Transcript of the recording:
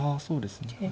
そうですね。